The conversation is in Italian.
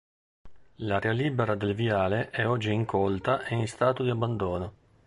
L'area libera del viale è oggi incolta e in stato di abbandono.